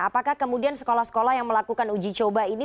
apakah kemudian sekolah sekolah yang melakukan uji coba ini